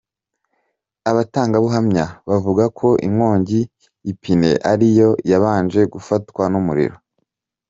Abatangabuhamya bavuga ko inkongi ipine ari yo yabanje gufatwa n’umuriro.